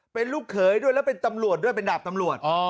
เป็นลูกเขยด้วยแล้วเป็นตำรวจด้วยเป็นดาบตำรวจ